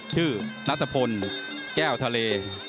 ชื่อนัทพลแก้วทะเล